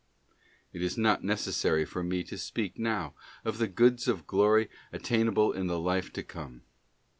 4. Joys at It is not necessary for me to speak now of the goods of Glory attainable in the life to come.